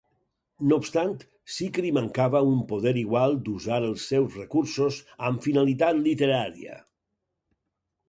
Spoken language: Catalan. No obstant, sí que li mancava un poder igual d'usar els seus recursos amb finalitat literària.